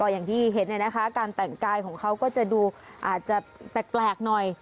อย่างที่เห็นการแต่งกายของเขาก็จะดูอาจจะแปลกหน่อย